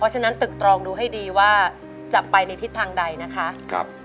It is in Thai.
ฉะนั้นตึกตรองดูให้ดีว่าจะไปในทิศทางใดนะคะ